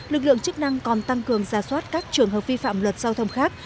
lực lượng chức năng còn tăng cường giả soát các trường hợp vi phạm luật giao thông khác